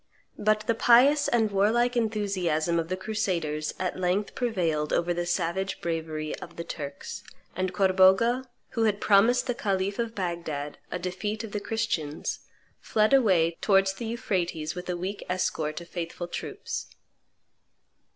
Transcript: But the pious and warlike enthusiasm of the crusaders at length prevailed over the savage bravery of the Turks; and Corbogha, who had promised the khalif of Bagdad a defeat of the Christians, fled away towards the Euphrates with a weak escort of faithful troops.